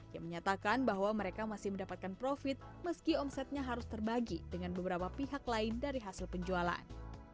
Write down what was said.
yang menyatakan bahwa mereka masih mendapatkan profit meski omsetnya harus terbagi dengan beberapa pihak lain dari hasil penjualan